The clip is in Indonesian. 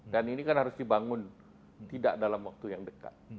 dan ini kan harus dibangun tidak dalam waktu yang dekat